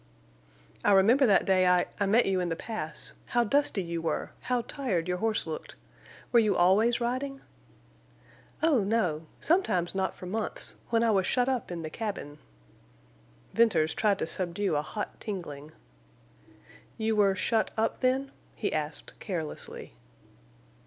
"I remember that day I—I met you in the Pass—how dusty you were, how tired your horse looked. Were you always riding?" "Oh, no. Sometimes not for months, when I was shut up in the cabin." Venters tried to subdue a hot tingling. "You were shut up, then?" he asked, carelessly.